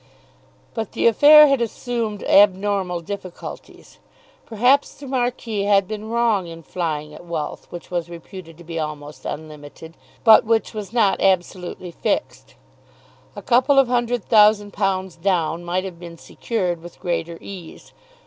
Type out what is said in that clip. But the affair had assumed abnormal difficulties. Perhaps the Marquis had been wrong in flying at wealth which was reputed to be almost unlimited, but which was not absolutely fixed. A couple of hundred thousand pounds down might have been secured with greater ease.